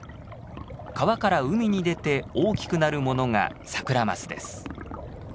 川から海に出て大きくなるものがサクラマスです。